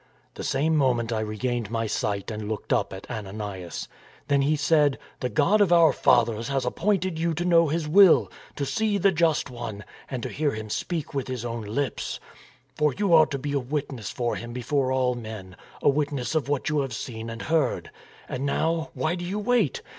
" The same moment I regained my sight and looked up at Ananias, Then he said, ' The God of our fathers has appointed you to know His will, to see the Just One, and to hear Him speak with His own lips. For you are to be a witness for Him before all men, a witness of what you have seen and heard. And now, why do you wait?